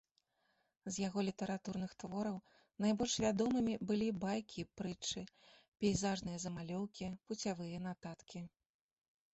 З яго літаратурных твораў найбольш вядомымі былі байкі і прытчы, пейзажныя замалёўкі, пуцявыя нататкі.